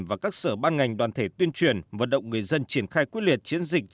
và các sở ban ngành đoàn thể tuyên truyền vận động người dân triển khai quyết liệt chiến dịch